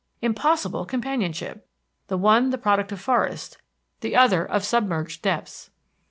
Impossible companionship! The one the product of forest, the other of submerged depths.